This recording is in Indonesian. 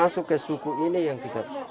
masuk ke suku ini yang kita